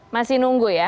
masih nunggu ya